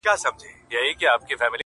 ورځه وريځي نه جــلا ســـولـه نـــن,